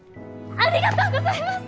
ありがとうございます！